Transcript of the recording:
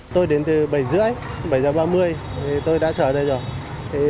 tôi đến từ bảy h ba mươi bảy h ba mươi tôi đã chờ đây rồi